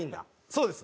そうです。